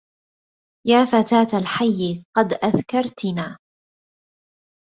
يا فتاة الحي قد أذكرتنا